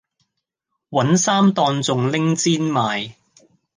搵衫當仲拎氈賣